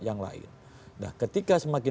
yang lain nah ketika semakin